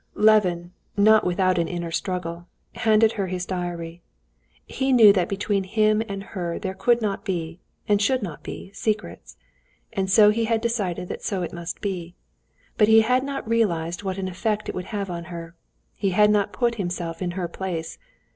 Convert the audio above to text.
Levin, not without an inner struggle, handed her his diary. He knew that between him and her there could not be, and should not be, secrets, and so he had decided that so it must be. But he had not realized what an effect it would have on her, he had not put himself in her place.